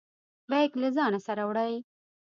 بیګ له ځانه سره وړئ؟